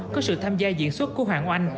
có sự tham gia diễn xuất của hoàng oanh